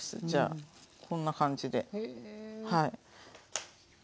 じゃあこんな感じではい。